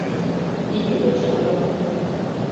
Ninni mi çalıyorsun?